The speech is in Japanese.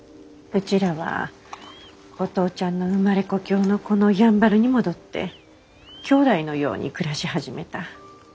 うちらはお父ちゃんの生まれ故郷のこのやんばるに戻ってきょうだいのように暮らし始めた。